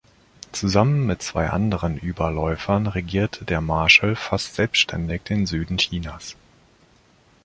Zusammen mit zwei anderen Überläufern regierte der Marschall fast selbständig den Süden Chinas.